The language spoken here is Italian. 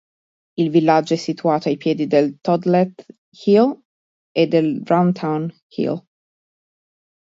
Il villaggio è situato ai piedi del Todleth Hill e del Roundton Hill.